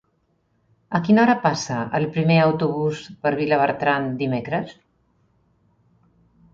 A quina hora passa el primer autobús per Vilabertran dimecres?